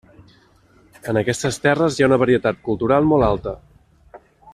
En aquestes terres hi ha una varietat cultural molt alta.